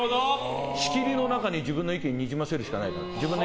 仕切りの中に自分の意見をにじませるわけにはいかないから。